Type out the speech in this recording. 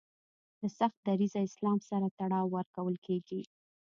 له سخت دریځه اسلام سره تړاو ورکول کیږي